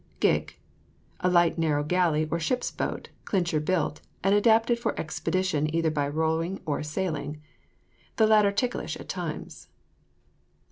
GIG. A light narrow galley or ship's boat, clincher built, and adapted for expedition either by rowing or sailing; the latter ticklish at times.